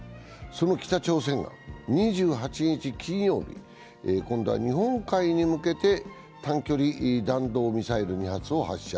その北朝鮮は２８日金曜日、今度は日本海に向けて短距離弾道ミサイル２発を発射。